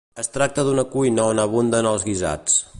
Es tracta d'una cuina on abunden els guisats.